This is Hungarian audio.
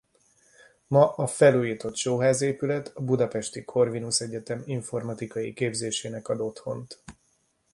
Ma a felújított Sóház-épület a Budapesti Corvinus Egyetem informatikai képzésének ad otthont.